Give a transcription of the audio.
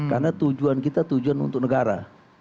karena tujuan kita tujuan untuk negara